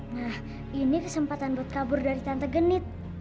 nah ini kesempatan buat kabur dari tante genit